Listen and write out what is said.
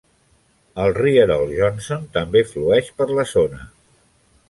El rierol Johnson també flueix per la zona.